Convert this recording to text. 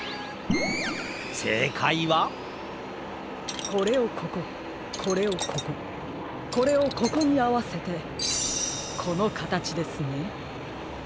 せいかいはこれをこここれをこここれをここにあわせてこのかたちですね。